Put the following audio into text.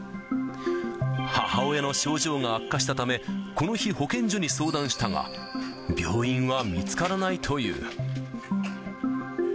母親の症状が悪化したため、この日、保健所に相談したが、病院は見つからないという。